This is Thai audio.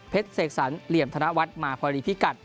เสกสรรเหลี่ยมธนวัฒน์มาพอดีพิกัด